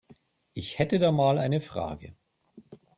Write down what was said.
Ich hätte da mal eine Frage.